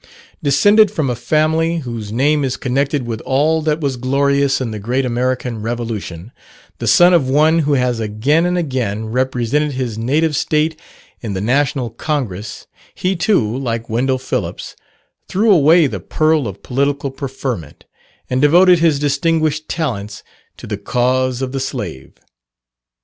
Descended from a family, whose name is connected with all that was glorious in the great American Revolution, the son of one who has again and again represented his native State, in the National Congress, he too, like Wendell Phillips, threw away the pearl of political preferment, and devoted his distinguished talents to the cause of the Slave.